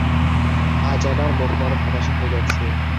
আজ আমার মুখ বড়ো ফ্যাকাশে হয়ে গেছে।